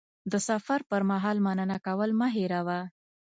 د سفر پر مهال مننه کول مه هېروه.